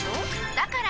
だから！